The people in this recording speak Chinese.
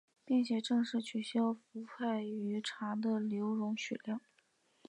并且正式取消氟派瑞于茶的留容许量。